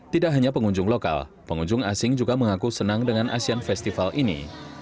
tidak hanya pengunjung lokal pengunjung asing juga mengaku senang dengan asean festival ini